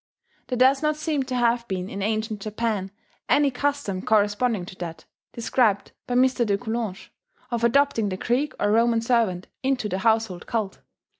There does not seem to have been in ancient Japan any custom corresponding to that, described by M. de Coulanges, of adopting the Greek or Roman servant into the household cult.